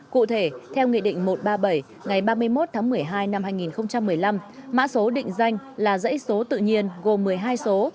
cụ thể theo nghị định một trăm ba mươi bảy ngày ba mươi một tháng một mươi hai năm hai nghìn một mươi năm mã số định danh là dãy số tự nhiên gồm một mươi hai số